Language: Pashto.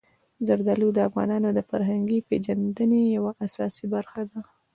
زردالو د افغانانو د فرهنګي پیژندنې یوه اساسي برخه ده.